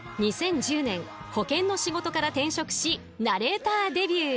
「２０１０年保険の仕事から転職しナレーターデビュー！」